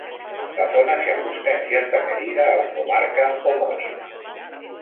La zona se ajusta en cierta medida a la comarca homónima.